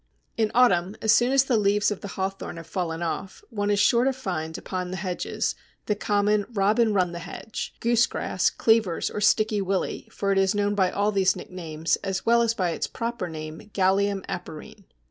In autumn, as soon as the leaves of the Hawthorn have fallen off, one is sure to find upon the hedges the common Robin run the Hedge (Goosegrass, Cleavers, or Sticky Willie, for it is known by all these nicknames as well as by its proper name, Galium aparine).